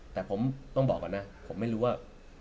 แต่ผมต้องบอกก่อนนะผมไม่รู้ว่า